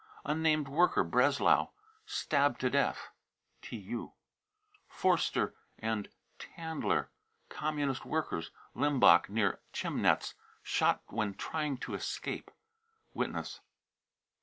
unnamed worker, Breslau, stabbed to death. ( 777 .) forster and tandler, Communist workers, Limbach, near Chemnitz, " shot when trying to escape." (Witness.)